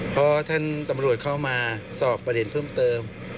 เพราะท่านตำรวจเข้ามาสอบประเด็นเพิ่มเติม